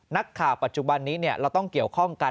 ปัจจุบันนี้เราต้องเกี่ยวข้องกัน